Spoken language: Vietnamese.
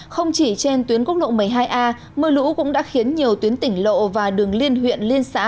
không chỉ trên tuyến quốc lộ một mươi hai a mưa lũ cũng đã khiến nhiều tuyến tỉnh lộ và đường liên huyện liên xã